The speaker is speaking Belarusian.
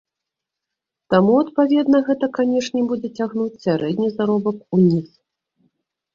Таму, адпаведна, гэта, канечне, будзе цягнуць сярэдні заробак уніз.